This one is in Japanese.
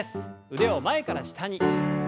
腕を前から下に。